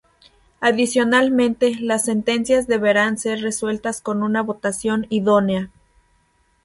Adicionalmente, las sentencias deberán ser resueltas con una votación idónea.